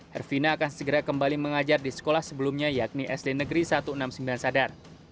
herfina akan segera kembali mengajar di sekolah sebelumnya yakni sd negeri satu ratus enam puluh sembilan sadar